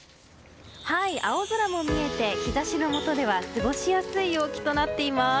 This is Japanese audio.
青空も見えて日差しの下では過ごしやすい陽気となっています。